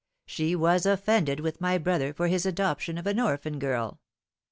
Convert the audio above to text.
She was offended with my brother for his adoption of an orphan girl.